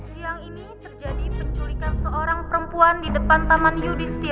siang ini terjadi penculikan seorang perempuan di depan taman yudhisti